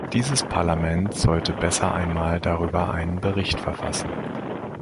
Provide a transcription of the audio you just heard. Dieses Parlament sollte besser einmal darüber einen Bericht verfassen.